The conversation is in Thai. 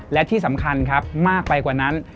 และที่สำคัญครับมากไปกว่านั้น